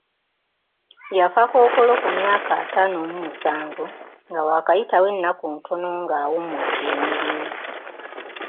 Yafa Kkookolo ku myaka ataano mu musanvu nga waakayitawo ennaku ntono nga awummudde emirimu.